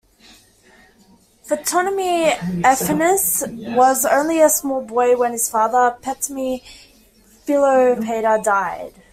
Ptolemy Epiphanes was only a small boy when his father, Ptolemy Philopator, died.